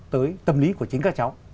tới tâm lý của chính các cháu